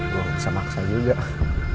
gua maksa maksa aja udah